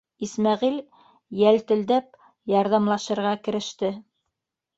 Исмәғил йәлтелдәп ярҙамлашырға кереште.